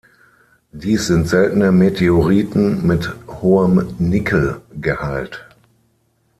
Dies sind seltene Meteoriten mit hohem Nickel-Gehalt.